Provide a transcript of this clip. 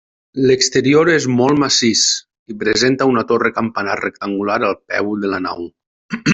L'exterior és molt massís i presenta una torre campanar rectangular al peu de la nau.